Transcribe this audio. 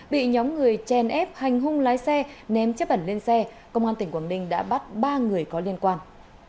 bị nhóm người chèn ép hành hung lái xe ném chấp ẩn lên xe công an tỉnh quảng ninh đã bắt ba người có liên quan